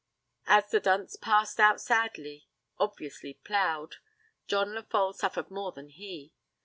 As the dunce passed out sadly, obviously ploughed, John Lefolle suffered more than he.